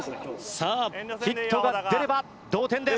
さあヒットが出れば同点です。